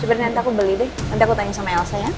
seperti yang aku beli deh nanti aku tanya sama elsa ya